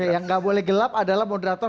yang nggak boleh gelap adalah moderator